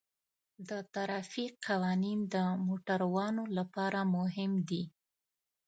د ترافیک قوانین د موټروانو لپاره مهم دي.